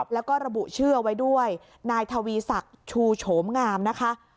แล้วก็ระบุชื่อเอาไว้ด้วยนายทวีศักดิ์ชูโฉมงามนะคะ